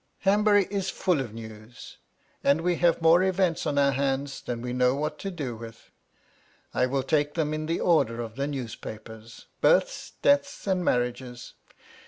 * Hanbury is full of news ; and we have more events on * our hands than we know what to do with. I will take ' them in the order of the newspapers — births, deaths, * and marriages.